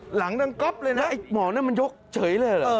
หลังดังก๊อบเลยนะไอ้หมอนนั่นมันยกเฉยเลยเหรอ